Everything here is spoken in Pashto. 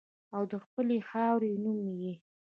او د خپلې خاورې نوم یې